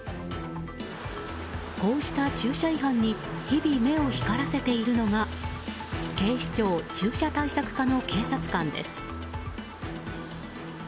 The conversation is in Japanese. こうした駐車違反に日々、目を光らせているのが警視庁駐車対策課の警察官です。